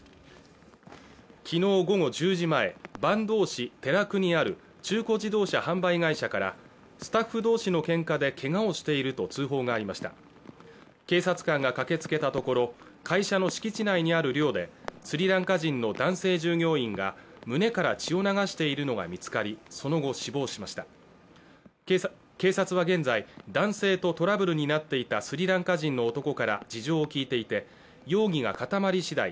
昨日午後１０時前坂東市寺久にある中古自動車販売会社からスタッフ同士のケンカでケガをしていると通報がありました警察官が駆けつけたところ会社の敷地内にある寮でスリランカ人の男性従業員が胸から血を流しているのが見つかりその後死亡しました警察は現在男性とトラブルになっていたスリランカ人の男から事情を聞いていて容疑が固まり次第